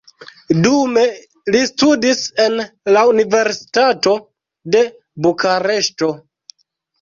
Dume li studis en la universitato de Bukareŝto.